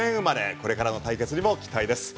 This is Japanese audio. これからの対決にも期待です。